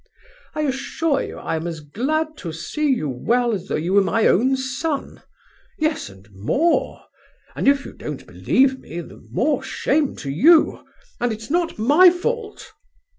I assure you I am as glad to see you well as though you were my own son,—yes, and more; and if you don't believe me the more shame to you, and it's not my fault.